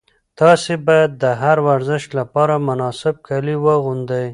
تاسي باید د هر ورزش لپاره مناسب کالي واغوندئ.